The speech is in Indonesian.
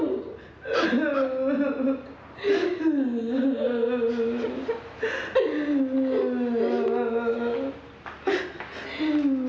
nangisnya sudah sola